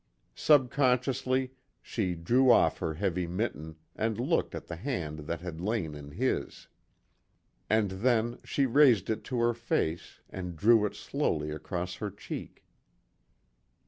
Subconsciously she drew off her heavy mitten and looked at the hand that had lain in his. And then, she raised it to her face, and drew it slowly across her cheek.